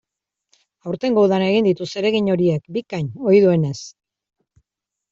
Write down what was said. Aurtengo udan egin ditu zeregin horiek, bikain, ohi duenez.